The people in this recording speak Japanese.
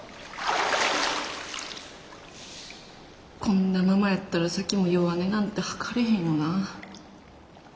こんなママやったら咲妃も弱音なんて吐かれへんよな。